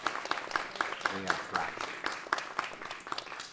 They are fractured.